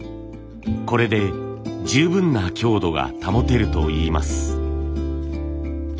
これで十分な強度が保てるといいます。